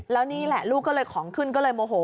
แล้วนี่แหละลูกก็เลยของขึ้นก็เลยโมโห